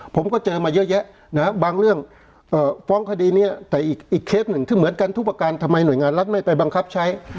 ผมก็เจอมาเยอะแยะนะบางเรื่องฟ้องคดีนี้แต่อีกเคสหนึ่งที่เหมือนกันทุกประการทำไมหน่วยงานรัฐไม่ไปบังคับใช้